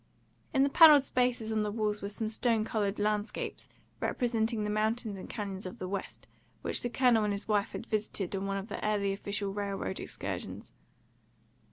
In the panelled spaces on the walls were some stone coloured landscapes, representing the mountains and canyons of the West, which the Colonel and his wife had visited on one of the early official railroad excursions.